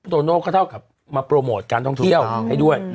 โตโน่ก็เท่ากับมาโปรโมทการท่องเที่ยวให้ด้วย